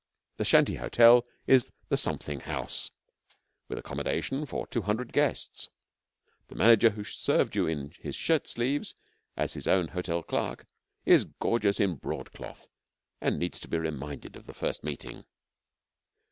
The shanty hotel is the Something House, with accommodation for two hundred guests. The manager who served you in his shirt sleeves as his own hotel clerk, is gorgeous in broadcloth, and needs to be reminded of the first meeting.